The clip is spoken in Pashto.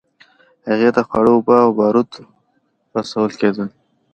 هغې ته خواړه، اوبه او بارود رسول کېدل.